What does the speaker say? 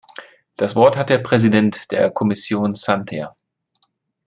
Das Wort hat der Präsident der Kommission Santer.